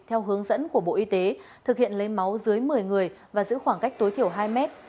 theo hướng dẫn của bộ y tế thực hiện lấy máu dưới một mươi người và giữ khoảng cách tối thiểu hai mét